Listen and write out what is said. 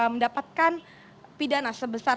mendapatkan pidana sebesar